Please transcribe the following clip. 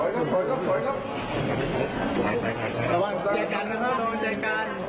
กลุ่มทะลุวัง